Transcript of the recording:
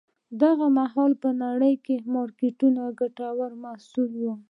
دا هغه مهال په نړیوال مارکېت کې ګټور محصول و.